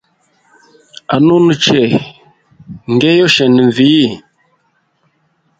Anunu che ,nge yoshenda nvii?